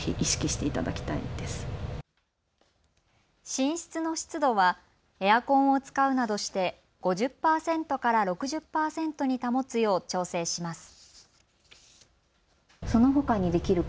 寝室の湿度はエアコンを使うなどして５０％から６０％に保つよう調整します。